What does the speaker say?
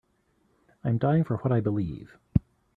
I'm dying for what I believe.